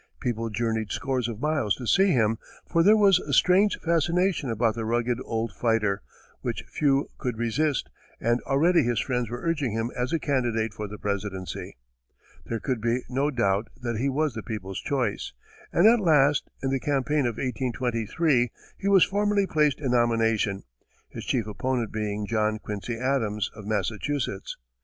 People journeyed scores of miles to see him, for there was a strange fascination about the rugged old fighter which few could resist, and already his friends were urging him as a candidate for the presidency. There could be no doubt that he was the people's choice, and at last, in the campaign of 1823, he was formally placed in nomination, his chief opponent being John Quincy Adams, of Massachusetts.